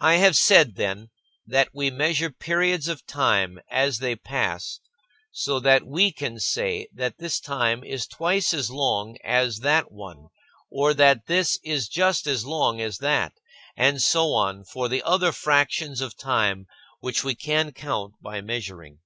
I have said, then, that we measure periods of time as they pass so that we can say that this time is twice as long as that one or that this is just as long as that, and so on for the other fractions of time which we can count by measuring.